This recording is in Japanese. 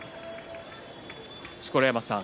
錣山さん